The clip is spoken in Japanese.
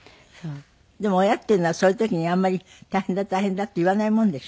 でも親っていうのはそういう時にあんまり大変だ大変だって言わないもんでしょ？